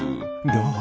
どう？